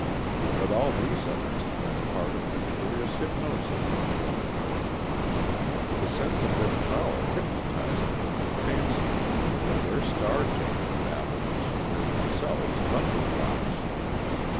But all these efforts had been part of the curious hypnosis which had overcome them. The sense of their power hypnotized them into fancying that their star chamber babblings were in themselves thunderblots.